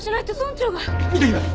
見てきます！